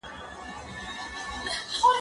سندري واوره،